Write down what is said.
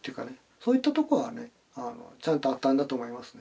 そういったとこはねちゃんとあったんだと思いますね